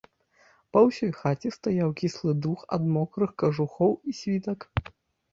Па ўсёй хаце стаяў кіслы дух ад мокрых кажухоў і світак.